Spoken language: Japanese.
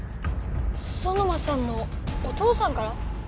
ソノマさんのお父さんから？